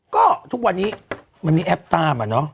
ก็ทุกวันนี้มันมีแอปตามอะเนาะ